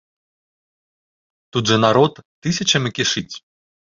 Тут жа народ тысячамі кішыць.